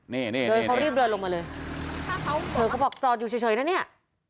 นี่นี่นี่เขารีบเริ่มลงมาเลยเธอก็บอกจอดอยู่เฉยนะเนี่ย